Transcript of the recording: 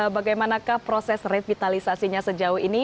bagaimanakah proses revitalisasinya sejauh ini